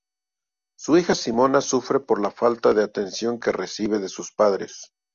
Su hija Simona sufre por la falta de atención que recibe de sus padres.